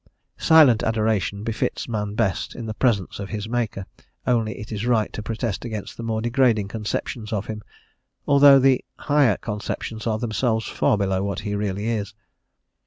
Silent adoration befits man best in the presence of his maker, only it is right to protest against the more degrading conceptions of him, although the higher conceptions are themselves far below what he really is.